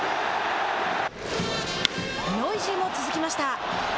ノイジーも続きました。